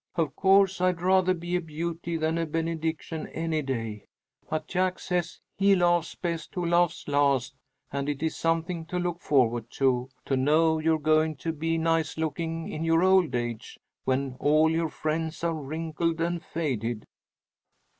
Of course I'd rather be a beauty than a benediction, any day. But Jack says he laughs best who laughs last, and it's something to look forward to, to know you're going to be nice looking in your old age when all your friends are wrinkled and faded."